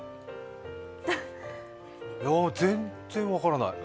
いやあ、全然分からない。